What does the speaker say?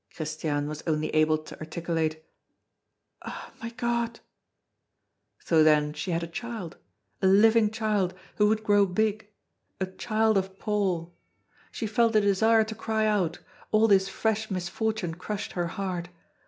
Christiane was only able to articulate: "Ah! my God!" So then she had a child, a living child, who would grow big a child of Paul! She felt a desire to cry out, all this fresh misfortune crushed her heart.